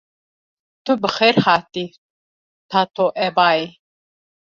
Tu bi xêr hatî Tatoebayê!